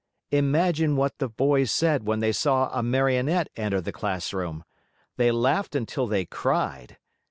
Imagine what the boys said when they saw a Marionette enter the classroom! They laughed until they cried.